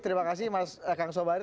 terima kasih kang sobari